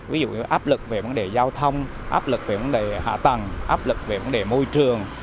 ví dụ như áp lực về vấn đề giao thông áp lực về vấn đề hạ tầng áp lực về vấn đề môi trường